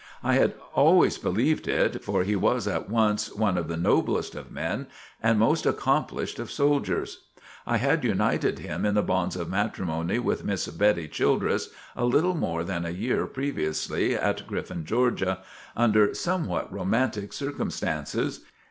I had always believed it, for he was at once one of the noblest of men and most accomplished of soldiers. I had united him in the bonds of matrimony with Miss Bettie Childress, a little more than a year previously, at Griffin, Georgia, under somewhat romantic circumstances.